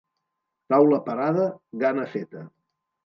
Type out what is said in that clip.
Taula parada, gana feta.